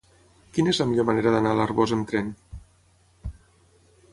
Quina és la millor manera d'anar a l'Arboç amb tren?